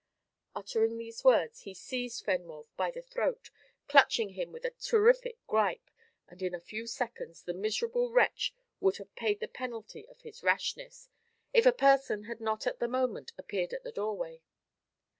Uttering these words, he seized Fenwolf by the throat, clutching him with a terrific gripe, and in a few seconds the miserable wretch would have paid the penalty of his rashness, if a person had not at the moment appeared at the doorway.